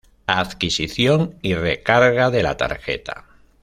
Adquisición y recarga de la tarjeta.